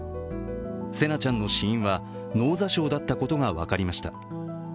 成那ちゃんの死因は脳挫傷だったことが分かりました。